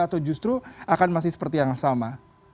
atau justru akan masih seperti yang sama